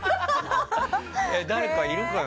誰かいるかな？